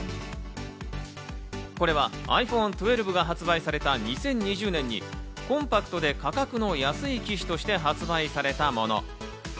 これはｉＰｈｏｎｅ１２が発売された２０２０年にコンパクトで価格の安い機種として発売されたもの。